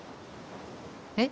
えっ？